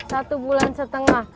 satu bulan setengah